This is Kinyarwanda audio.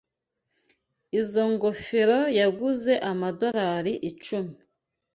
Izoi ngofero yaguze amadorari icumi.